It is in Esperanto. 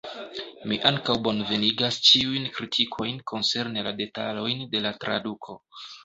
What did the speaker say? Mi ankaŭ bonvenigas ĉiujn kritikojn koncerne la detalojn de la traduko.